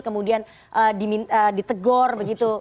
kemudian ditegor begitu